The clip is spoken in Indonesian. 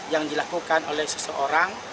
yang dilakukan oleh seseorang